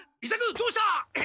どうした！？